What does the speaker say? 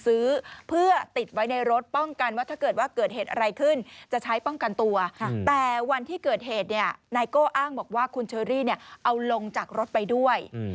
เอาลงจากรถไปด้วย